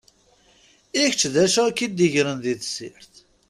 I kečč, d acu i k-id-igren di tessirt?